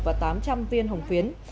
và tám trăm linh viên hồng phiến